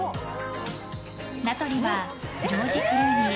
名取はジョージ・クルーニー